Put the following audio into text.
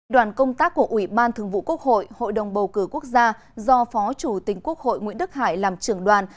đoàn công tác của ủy ban thường vụ quốc hội hội đồng bầu cử quốc gia do phó chủ tịch quốc hội nguyễn đức hải làm trưởng đoàn